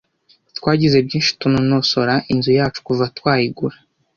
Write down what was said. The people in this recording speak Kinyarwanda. Twagize byinshi tunonosora inzu yacu kuva twayigura.